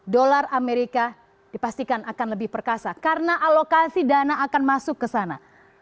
dolar amerika dipastikan akan lebih perkasa karena alokasi dana akan masuk ke sana